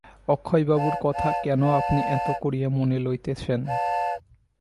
অক্ষয়বাবুর কথা কেন আপনি এত করিয়া মনে লইতেছেন?